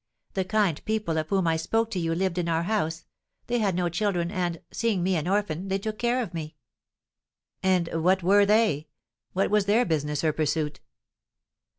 The kind people of whom I spoke to you lived in our house; they had no children, and, seeing me an orphan, they took care of me." "And what were they? What was their business or pursuit?"